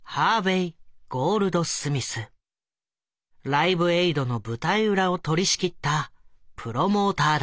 「ライブエイド」の舞台裏を取りしきったプロモーターだ。